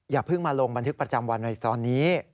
อย่าเพิ่งมาลงบันทึกประจำวันในตอนนี้